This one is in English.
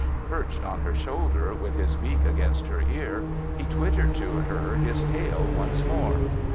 Perched on her shoulder, with his beak against her ear, he twittered to her his tale once more.